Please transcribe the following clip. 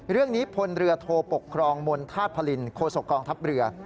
เรื่องนี้พลเรือโทปกครองมลธาตุพลินโฆษกองทัพเรือ